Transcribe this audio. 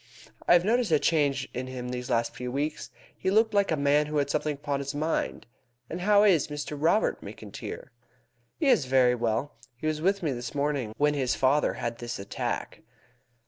I have noticed a change in him these last few weeks. He looked like a man who had something upon his mind. And how is Mr. Robert McIntyre?" "He is very well. He was with me this morning when his father had this attack."